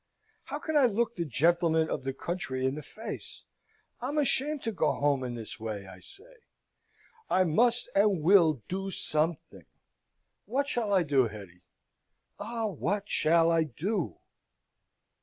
How can I look the gentlemen of the country in the face? I'm ashamed to go home in this way, I say. I must and will do something! What shall I do, Hetty? Ah! what shall I do?"